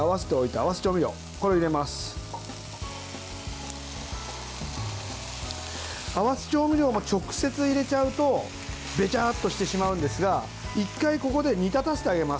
合わせ調味料も直接入れちゃうとべちゃっとしてしまうんですが１回ここで煮立たせてあげます